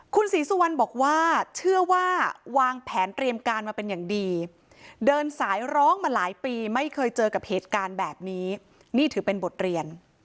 คุณศรีสุวรรณบอกว่าเชื่อว่าวางแผนเตรียมการมาเป็นอย่างดี